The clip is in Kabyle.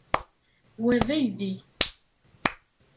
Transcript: Wa d aydi.